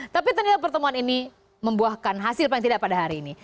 tapi ternyata pertemuan ini membuahkan hasil paling tidak pada hari ini